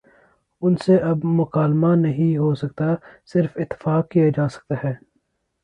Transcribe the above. ان سے اب مکالمہ نہیں ہو سکتا صرف اتفاق کیا جا سکتا ہے۔